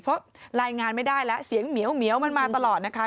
เพราะรายงานไม่ได้แล้วเสียงเหมียวมันมาตลอดนะคะ